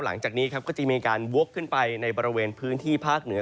หลังจากนี้ครับก็จะมีการวกขึ้นไปในบริเวณพื้นที่ภาคเหนือ